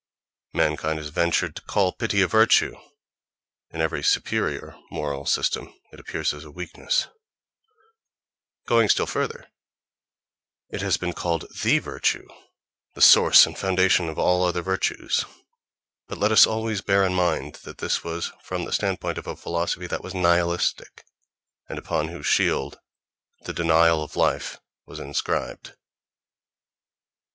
Mankind has ventured to call pity a virtue (—in every superior moral system it appears as a weakness—); going still further, it has been called the virtue, the source and foundation of all other virtues—but let us always bear in mind that this was from the standpoint of a philosophy that was nihilistic, and upon whose shield the denial of life was inscribed.